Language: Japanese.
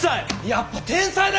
やっぱ天才だ！